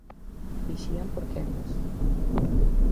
Vixían por quendas.